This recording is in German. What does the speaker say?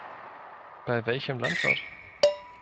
Bei welchem Landwirt?